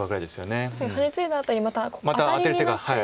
確かにハネツイだあとにまたアタリになって。